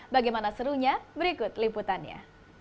bagaimana serunya berikut liputannya